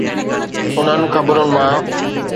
انهن خبرن مان؟